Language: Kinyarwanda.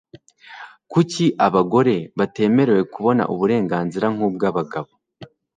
Kuki abagore batemerewe kubona uburenganzira nkubw'abagabo?